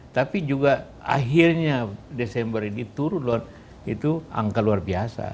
tapi juga akhirnya desember ini turun itu angka luar biasa